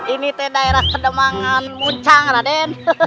ini daerah kedemangan muncang raden